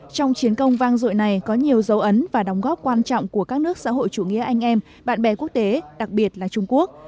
trong chiến công vang dội này có nhiều dấu ấn và đóng góp quan trọng của các nước xã hội chủ nghĩa anh em bạn bè quốc tế đặc biệt là trung quốc